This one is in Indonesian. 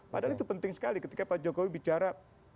padahal itu penting sekali ketika pak jokowi bicara